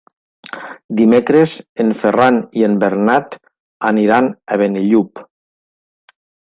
Dimecres en Ferran i en Bernat aniran a Benillup.